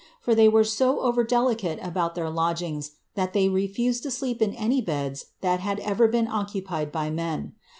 for they were so over delicate about their lodgings, that they wfused to sleep in any beds that had ever been occupied by men.